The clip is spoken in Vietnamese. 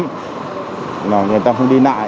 nhưng mà người ta không đi lại